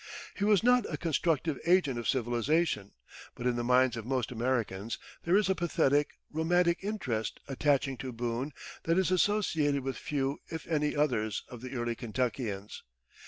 He was not a constructive agent of civilization. But in the minds of most Americans there is a pathetic, romantic interest attaching to Boone that is associated with few if any others of the early Kentuckians.